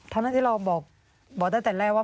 ทั้งนั้นที่เราบอกตั้งแต่แรกว่า